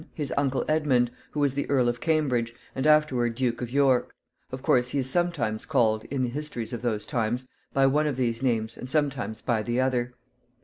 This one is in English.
His uncle Edmund, who was the Earl of Cambridge, and afterward Duke of York. Of course he is sometimes called, in the histories of those times, by one of these names, and sometimes by the other.